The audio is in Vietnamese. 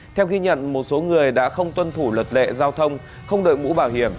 theo ghi nhận một số người đã không tuân thủ lật lệ giao thông không đợi mũ bảo hiểm